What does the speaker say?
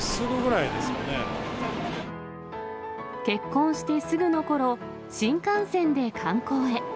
結婚してすぐのころ、新幹線で観光へ。